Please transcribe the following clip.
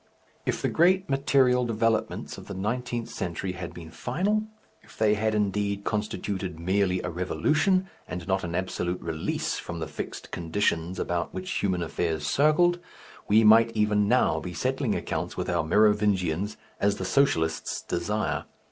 If the great material developments of the nineteenth century had been final, if they had, indeed, constituted merely a revolution and not an absolute release from the fixed conditions about which human affairs circled, we might even now be settling accounts with our Merovingians as the socialists desire.